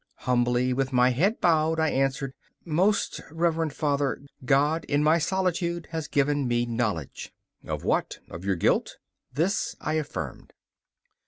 Humbly, with my head bowed, I answered: 'Most reverend Father, God in my solitude has given me knowledge.' 'Of what? Of your guilt?' This I affirmed.